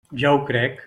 Ja ho crec.